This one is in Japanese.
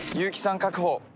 確保。